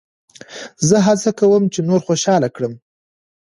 زه هڅه کوم، چي نور خوشحاله کړم.